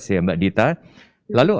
ya mbak dita lalu